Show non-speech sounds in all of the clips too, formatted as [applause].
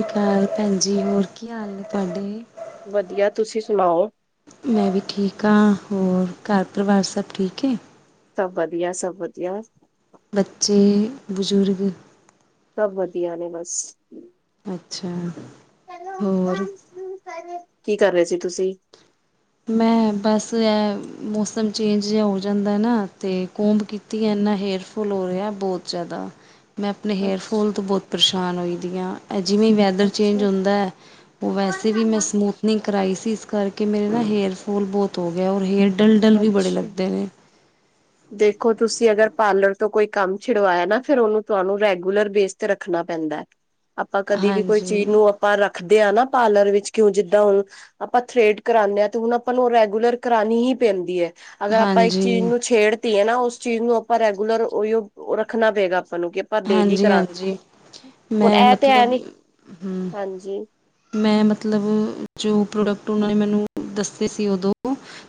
ਸਤਿ ਸ਼੍ਰੀ ਅਕਾਲ ਭੈਨ ਜੀ। ਹੋਰ ਕੀ ਹਾਲ ਨੇ ਤੁਹਾਡੇ? ਵਧੀਆ, ਤੁਸੀਂ ਸੁਨਾਓ। ਮੈਂ ਵੀ ਠੀਕ ਆ, ਹੋਰ ਘਰ ਪਰਿਵਾਰ ਸਭ ਠੀਕ ਏ? ਸਭ ਵਧੀਆ, ਸਭ ਵਧੀਆ। ਬੱਚੇ, ਬਜ਼ੁਰਗ। ਸਭ ਵਧੀਆ ਨੇ ਬਸ। ਅੱਛਾ। ਹੋਰ ਕੀ ਕਰ ਰਏ ਸੀ ਤੁਸੀਂ? ਮੈਂ ਬਸ, ਐ ਮੌਸਮ ਚੇਂਜ ਜੇਯਾ ਹੋ ਜਾਂਦਾ ਨਾ ਤੇ ਕੋਮਬ ਕੀਤ ਤੀ ਏਨਾ ਹੇਰਫੋਲ ਹੋ ਰੇਯਾ ਬੋਤ ਜਾਦਾ। ਮੈਂ ਅਪਨੇ ਅੱਛਾ ਹੇਅਰਫੋਲ ਤੋਂ ਬੋਤ ਪਰੇਸ਼ਾਨ ਹੋਈ ਦੀਆਂ, ਐ ਜਿਵੇਂ ਵੈਦ ਦਰ ਚੇਂਜ ਅੱਛਾ ਹੁੰਦਾ ਓ ਵੈਸੇ ਵੀ ਮੈਂ ਸਮੂਥਨਿੰਗ ਕਰਈ ਸੀ ਇਸ ਕਰਕੇ ਮੇਰੇ ਦਾ ਹੇਰਫੋਲ ਬੋਤ ਹੋ ਗਿਆ ਔਰ ਹੇਅਰ ਡਲ-ਡਲ ਵੀ ਬੜੇ ਅੱਛਾ। ਲੱਗਦੇ ਨੇ। ਦੇਖੋ ਤੁਸੀਂ ਅਗਰ ਪਾਰਲਰ ਤੋਂ ਕੋਈ ਕੰਮ ਛਿਡਵਾਇਆ ਨਾ ਫੇਰ ਓਨੂੰ ਤੁਆਨੂੰ ਰੈਗੂਲਰ ਬੇਸ ਤੇ ਰੱਖਨਾ ਪੈਂਦੈ। [inaudible] ਆਪਾਂ ਕਦੀ ਵੀ ਕੋਈ ਚੀਜ਼ ਹਾਂਜੀ ਨੂੰ ਆਪਾਂ ਰੱਖਦੇ ਆਂ ਨਾ ਪਾਰਲਰ ਵਿੱਚ ਕਿਉਂ ਜਿੱਦਾਂ ਹੁਨ ਆਪਾਂ ਥਰੇਡ ਕਰਾਨੇ ਆ ਤੇ ਹੁਨ ਆਪਾਂ ਨੂੰ ਰੈਗੂਲਰ ਕਰਾਨੀ ਹੀ ਪੈਂਦੀ ਏ। ਅਗਰ ਆਪਾਂ ਇੱਕ ਚੀਜ਼ ਹਾਂਜੀ, ਨੂੰ ਛੇੜ ਤੀਏ ਨਾ ਓਸ ਚੀਜ਼ ਨੂੰ ਆਪਾਂ ਰੈਗੂਲਰ ਓਹੀਓ ਰੱਖਨਾ ਪਏਗਾ ਆਪਾਂ ਨੂੰ ਆਪਾਂ ਡੇਲੀ ਕਰਾ ਹਾਂਜੀ-ਹਾਂਜੀ ਹੁਨ, ਮੈਂ ਐ ਤੇ ਮਤਲਬ ਹੈਨੀ, ਹੂੰ, ਹਾਂਜੀ ਮੈਂ ਮਤਲਬ ਜੋ ਪ੍ਰੋਡਕਟ ਓਨਾਂ ਨੇ ਮੈਨੂੰ ਦੱਸੇ ਸੀ ਓਦੋਂ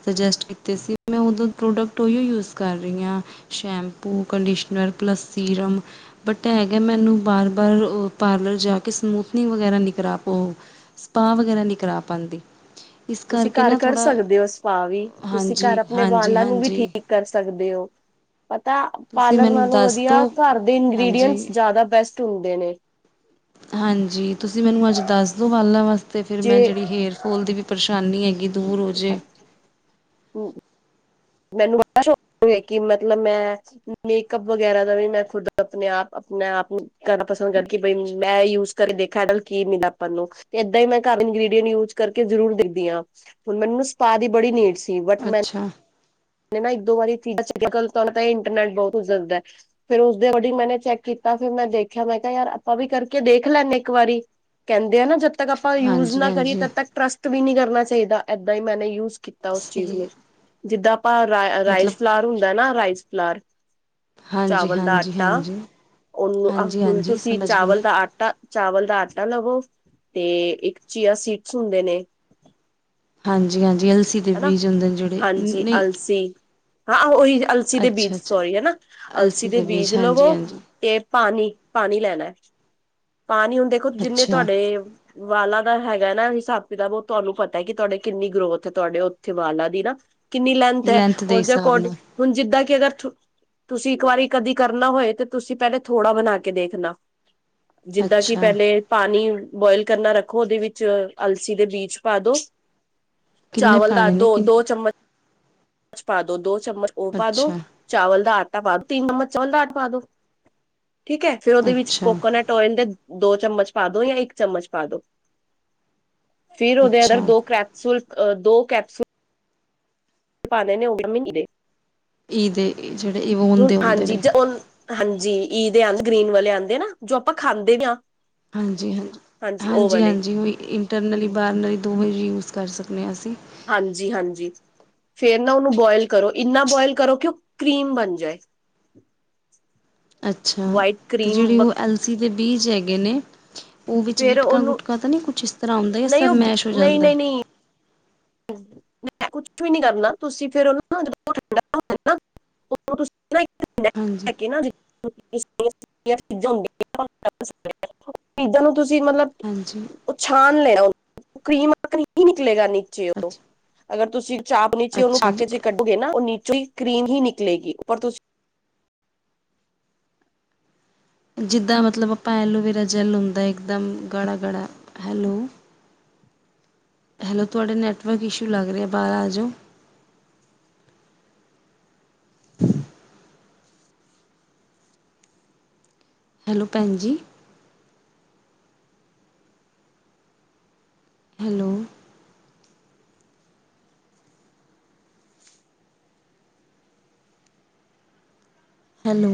ਸਜੇਸਤ ਕੀਤੇ ਸੀ, ਮੈਂ ਓਦੋਂ ਪ੍ਰੋਡਕਟ ਓਹੀਓ ਯੂਜ ਕਰ ਰਈਆ। Shampoo, conditioner plus serum. But, ਐ ਹੈਗਾ ਮੈਨੂੰ ਬਾਰ-ਬਾਰ ਪਾਰਲਰ ਜਾ ਕੇ ਸਮੂਥਨਿੰਗ ਵਗੈਰਾ ਨੀਂ ਕਰਾ ਓ ਸਪਾ ਵਗੈਰਾ ਨੀਂ ਕਰਾ ਪਾਂਦੀ। ਇਸ ਤੁਸੀਂ ਕਰਕੇ ਘਰ ਨਾ ਕਰ ਥੋੜ੍ਹਾ ਸਕਦੇ ਓ ਸਪਾ ਵੀ, ਤੁਸੀਂ ਘਰ ਹਾਂਜੀ, ਆਪਨੇ ਹਾਂਜੀ, ਵਾਲਾਂ ਨੂੰ ਵੀ ਹਾਂਜੀ ਠੀਕ ਕਰ ਸਕਦੇ ਓ। ਪਤਾ ਤੁਸੀਂ ਪਾਰਲਰ ਮੈਨੂੰ ਨਾਲੋਂ ਦੱਸ ਵਧੀਆ ਦੋ ਘਰ ਦੇ ਇੰਗ੍ਰਡੀਐਂਟਸ ਹਾਂਜੀ ਜਾਦਾ ਬੈਸਟ ਹੁੰਦੇ ਨੇ। ਹਾਂਜੀ, ਤੁਸੀਂ ਮੈਨੂੰ ਅੱਜ ਦੱਸ ਦੋ ਵਾਲਾਂ ਵਾਸਤੇ ਫੇਰ ਜੇ ਮੈਂ ਜੇੜੀ ਹੇਅਰ ਫੋਲ ਦੀ ਵੀ ਪਰੇਸ਼ਾਨੀਆਂ ਹੈਗੀ, ਦੂਰ ਹੋਜੇ। [inaudible] ਮੈਨੂੰ ਬੜਾ ਸ਼ੌਕ ਕਿ ਮਤਲਬ ਮੈਂ ਮੇਕਅਪ ਵਗੈਰਾ ਦਾ ਵੀ ਮੈਂ ਖੁਦ ਆਪਨੇ ਆਪ ਆਪਨੇ ਆਪ ਨੂੰ ਕਰਣਾ ਪਸੰਦ ਕਰਕੇ ਬਈ ਮੈਂ ਯੂਜ ਕਰਕੇ ਦੇਖਾਂ ਏਦੇ ਨਾਲ ਕੀ ਮਿਲਿਆ ਆਪਾਂ ਨੂੰ। ਤੇ ਏਦਾਂ ਈ ਮੈਂ ਘਰ ਇੰਗ੍ਰਰੀਡੀਅਂਟ ਯੂਜ ਕਰਕੇ ਜ਼ਰੂਰ ਦੇਖਦੀ ਆ ਹੁਨ ਮੈਨੂੰ ਸਪਾ ਦੀ ਬੜੀ ਨੀਡ ਸ ਸੀ ਬਟ, ਮੈਂ ਅੱਛਾ ਨਾ ਇੱਕ ਦੋ ਵਾਰੀ [unintelligible] ਤਾਂ ਇੰਟਰਨੈਟ ਬੋਤ ਕੁਛ ਦਸਦੈ। ਫੇਰ ਉਸਦੇ ਐਕੌਰਡਿੰਗ ਮੈਨੇ ਚੈੱਕ ਕੀਤਾ ਫੇਰ ਮੈਂ ਦੇਖਿਆ ਮੈਂ ਕੇਯਾ ਯਾਰ ਆਪਾਂ ਵੀ ਕਰਕੇ ਦੇਖ ਲੈਂਦੇ ਆਂ ਇੱਕ ਵਾਰੀ। ਕੈਂਦੇ ਆ ਨਾ ਜਦ ਤੱਕ ਆਪਾਂ ਯੂਜ ਹਾਂਜੀ ਨਾ ਕਰੀਏ ਹਾਂਜੀ ਤਦ ਤੱਕ ਟਰਸਟ ਵੀ ਨੀਂ ਕਰਨਾ ਚਾਈਦਾ, ਏਦਾਂ ਈ ਮੈਨੇ ਯੂਜ ਕੀਤਾ ਓਸ ਚੀਜ ਸਹੀ ਨੂੰ ਜਿੱਦਾਂ ਆਪਾਂ ਰਾ ਮਤਲਬ ਰਾਈਸ ਫਲਾਰ ਹੁੰਦਾ ਨਾ ਰਾਈਸ ਫਲਾਰ ਹਾਂਜੀ ਚਾਵਲ ਦਾ ਹਾਂਜੀ ਆਟਾ ਹਾਂਜੀ ਹਾਂਜੀ ਓਹਨੂੰ, ਹਾਂਜੀ ਤੁਸੀਂ ਸਮਝ ਗਈ ਚਾਵਲ ਮੈਂ ਦਾ ਆਟਾ ਚਾਵਲ ਦਾ ਆਟਾ ਲਵੋ, ਤੇ ਇੱਕ ਚੀਆ ਸੀਡਸ ਹੁੰਦੇ ਨੇ। ਹਾਂਜੀ-ਹਾਂਜੀ, ਅਲਸੀ ਦੇ ਹਨਾ ਬੀਜ ਹੁੰਦੇ ਨੇ ਜੇੜੇ, ਹਾਂਜੀ ਨਈਂ ਅਲਸੀ ਹਾਂ, ਓਹੀ ਅਲਸੀ ਦੇ ਬੀਜ ਅੱਛਾ ਅੱਛਾ ਸੋਰੀ ਹਨਾ, ਅਲਸੀ ਦੇ ਬੀਜ ਲਵੋ ਤੇ ਪਾਨੀ ਪਾਨੀ ਲੈਨਾ। ਪਾਨੀ ਹੁਨ ਦੇਖੋ, ਜਿੰਨੇ ਅੱਛਾ ਤੁਆਡੇ ਵਾਲਾ ਦਾ ਹੈਗਾ ਨਾ ਹਿਸਾਬ-ਕਿਤਾਬ ਓ ਤੁਆਨੂੰ ਪਤਾ ਕਿ ਤੁਆਡੇ ਕਿੰਨੀ ਗਰੋਥ ਤੁਆਡੇ ਓਥੇ ਵਾਲਾਂ ਦੀ ਨਾ ਕਿੰਨੀ ਲੈਂਥ ਐ, ਦੇ ਓਸਦੇ ਹਿਸਾਬ ਅਕੋਰਡਿੰਗ ਨਾਲ ਹੁਣ ਜਿੱਦਾਂ ਕਿ ਅਗਰ ਤੁਸੀਂ ਇੱਕ ਵਾਰੀ ਕਦੀ ਕਰਨਾ ਹੋਏ ਤੇ ਤੁਸੀਂ ਪੈਲੇ ਥੋੜਾ ਬਨਾ ਕੇ ਦੇਖਨਾ। ਜਿੱਦਾਂ ਕਿ ਅੱਛਾ ਪੈਲੇ ਪਾਣੀ ਬੋਆਇਲ ਕਰਨਾਂ ਰੱਖੋ ਉਦੇ ਵਿੱਚ ਅਲਸੀ ਦੇ ਬੀਜ ਪਾ ਦੋ। ਕਿੰਨੇ ਚਾਵਲ ਦਾ ਪਾਣੇ ਨੇ ਦੋ ਦੋ ਕਿੰਨੇ ਚਮਚ ਪਾ ਦੋ ਚਮਚ ਓ ਪਾ ਦੋ। ਅੱਛਾ ਚਾਵਲ ਦਾ ਆਟਾ ਪਾ ਦੋ ਤਿੰਨ ਚਮਚ ਚਾਵਲ ਦਾ ਆਟਾ ਪਾ ਦੋ ਠੀਕ ਹੈ ਫਿਰ ਉਦੇ ਵਿੱਚ ਅੱਛਾ ਕੋਕੋਨਟ ਟੋਇਨ ਦੇ ਦੋ ਚਮਚ ਪਾ ਦੋ ਜਾਂ ਇੱਕ ਚਮਚ ਪਾ ਦੋ। ਫਿਰ ਉਦੇ ਅੰਦਰ ਅੱਛਾ ਦੋ ਕਰੈਪਸੂਲ ਅ ਦੋ ਕੈਪਸੂਲ ਪਾਂਦੇ ਨੇ ਓ ਵਿਟਾਮਿਨ ਈ ਦੇ। ਈ ਦੇ ਜੇੜੇ ਈਊਨ ਹੁਣ ਦੇ ਹੁੰਦੇ ਹਾਂਜੀ ਨੇ। ਹਾਂਜੀ ਈ ਦੇ ਆਂਦੇ ਗ੍ਰੀਨ ਵਾਲੇ ਆਂਦੇ ਆ ਨਾ ਜੋ ਆਪਾਂ ਖਾਂਦੇ ਆਂ। ਹਾਂਜੀ-ਹਾਂਜੀ-ਹਾਂਜੀ-ਹਾਂਜੀ ਉਹੀ ਇ ਟਰਨਲੀ ਬਾਰਨਲੀ ਦੋਵੇ ਯੂਜ ਕਰ ਸਕਦੇ ਹਾਂ ਅਸੀਂ ਹਾਂਜੀ-ਹਾਂਜੀ ਫਿਰ ਨਾ ਉਨੂੰ ਬੋਇਲ ਕਰੋ ਇੰਨਾ ਬੋਇਲ ਕਰੋ ਕਿ ਓ ਕਰੀਮ ਬਣ ਜਾਏ। ਅੱਛਾ ਵਾਈਟ ਤੇ ਕਰੀਮ ਜੇੜੇ ਓ ਅਲਸੀ ਦੇ ਬੀਜ਼ ਹੈਗੇ ਨੇ। ਓ ਵਿੱਚ ਫੇਰ ਗਿੱਟਕਾ ਉਹਨੂੰ ਗੁਟਕਾਂ ਤਾਂ ਨਈ ਕੁਛ ਇਸ ਤਰ੍ਹਾਂ ਆਉਂਦਾ ਜਾ ਨਹੀਂ ਸਭ ਉਹ ਮੈਸ਼ ਹੋ ਜਾਂਦਾ। ਮੈਂ ਕੁਛ ਵੀ ਨੀ ਕਰਨਾ ਤੁਸੀਂ ਪਰ ਫਿਰ ਉਨੂੰ ਨਾ [unintelligible] ਉਤੋਂ ਤੁਸੀਂ ਨਾ ਇੱਕ ਲੈ ਕੇ ਨਾ ਜੀ। ਉਸ [unintelligible] ਚੀਜ਼ਾਂ ਨੂੰ ਤੁਸੀਂ ਮਤਲਬ ਹਾਂਜੀ ਓ ਛਾਣ ਲੈਣਾਂ ਉਨੂੰ ਕਰੀਮ ਨਿਕਲੇਗਾ ਨੀਚੇ ਓ ਅੱਛਾ ਅਗਰ ਤੁਸੀਂ ਚਾਪ ਨੀਚੇ ਉਨੂੰ ਅੱਛਾ ਪਾ ਜੀ। ਕੇੇ ਕੱਢੋਗੇ ਨਾ ਓ ਨੀਚੇ ਕਰੀਮ ਹੀ ਨਿਕਲੇਗੀ ਉੱਪਰ ਤੁਸੀਂ ਜਿੱਦਾਂ ਮਤਲਬ ਆਪਾਂ ਐਲੋਵੇਰਾ ਜੈੱਲ ਹੁੰਦਾ ਇੱਕਦਮ ਗਾੜਾਂ-ਗਾੜਾਂ ਹੈਲੋ। ਹੈਲੋ ਤੁਹਾਡੇ ਨੈੱਟਵਰਕ ਇਸ਼ੂ ਲੱਗ ਰਿਆ ਬਾਰ ਆ ਜਾਓ। ਹੈਲੋ ਭੈਣ ਜੀ। Hello hello